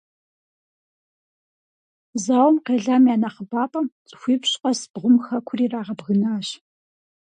Зауэм къелам я нэхъыбапӀэм - цӀыхуипщӀ къэс бгъум - хэкур ирагъэбгынащ.